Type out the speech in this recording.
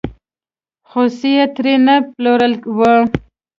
خوسی یې ترې نه پلورلی و.